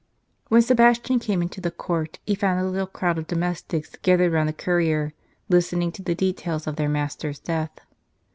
HEN Sebastian came into the court, he found a little crowd of domestics gath ered round the courier, listening to the details of their master's death.